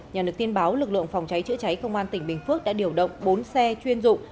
nhà nước tin báo lực lượng phòng cháy chữa cháy công an tỉnh bình phước đã điều động bốn xe chuyên dụng